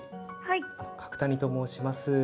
角谷と申します。